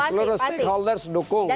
seluruh stakeholders dukung